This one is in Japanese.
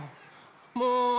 もう！